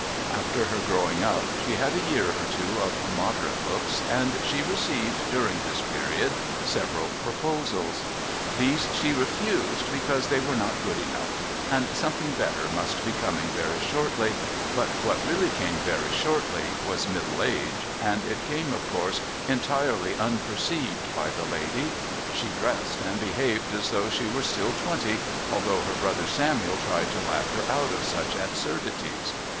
After her growing up she had a year or two of moderate looks and she received, during this period, several proposals; these she refused because they were not good enough and something better must be coming very shortly, but what really came very shortly was middle age, and it came of course entirely unperceived by the lady. She dressed and behaved as though she were still twenty, although her brother Samuel tried to laugh her out of such absurdities.